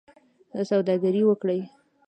سوداګري وکړئ